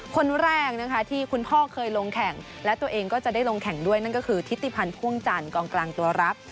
คนแรกนะคะที่คุณพ่อเคยลงแข่งและตัวเองก็จะได้ลงแข่งด้วยนั่นก็คือทิติพันธ์พ่วงจันทร์กองกลางตัวรับ